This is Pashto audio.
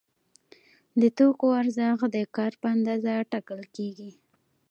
د توکو ارزښت د کار په اندازه ټاکل کیږي.